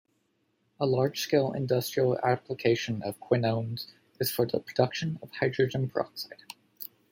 A large scale industrial application of quinones is for the production of hydrogen peroxide.